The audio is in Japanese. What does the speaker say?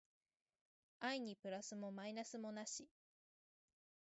愛にプラスもマイナスもなし